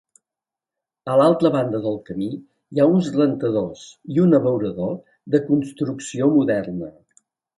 A l'altra banda del camí hi ha uns rentadors i un abeurador de construcció moderna.